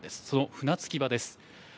その船着き場です。